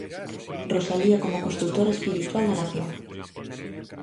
Rosalía como construtora espiritual da Nación.